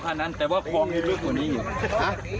ลกฐานั้นแต่ว่าความให้บึ๊บตัวนี้อยู่